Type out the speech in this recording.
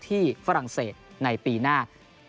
ฝรั่งเศสในปีหน้า